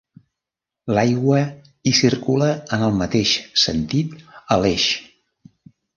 L'aigua hi circula en el mateix sentit a l'eix.